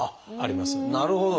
なるほど。